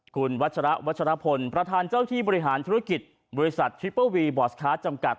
คุณวัชระวัชรพลประธานเจ้าที่บริหารธุรกิจบริษัททริปเปอร์วีบอร์สคาร์ดจำกัด